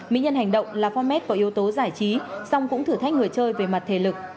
mỹ nhân hành động là format có yếu tố giải trí song cũng thử thách người chơi về mặt thể lực